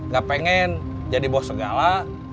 gak pengen jadi bos segala